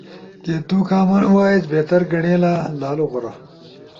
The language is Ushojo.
کی تُو کامن وائس بہتر گنیڑلا؟ لالو غورا۔